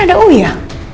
kan ada ui ya